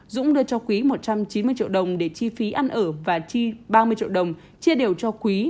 dũng đưa cho quý một trăm chín mươi triệu đồng để chi phí ăn ở và chi ba mươi triệu đồng chia đều cho quý